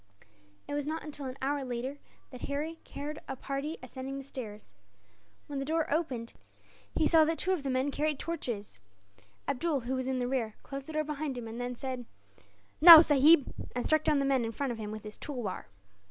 It was not until an hour later that Harry heard a party ascending the stairs. When the door opened, he saw that two of the men carried torches. Abdool, who was in the rear, closed the door behind him, and then said, "Now sahib!" and struck down the man in front of him with his tulwar.